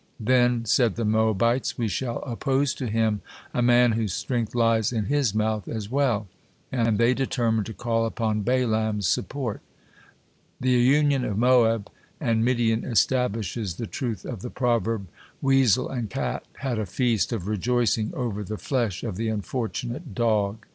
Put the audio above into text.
"Then," said the Moabites, "we shall oppose to him a man whose strength lies in his mouth as well," and the determined to call upon Balaam's support. The union of Moab and Midian establishes the truth of the proverb: "Weasel and Cat had a feast of rejoicing over the flesh of the unfortunate Dog."